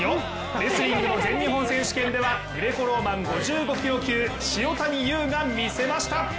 レスリングの全日本選手権ではグレコローマン５５ｋｇ級塩谷優が見せました。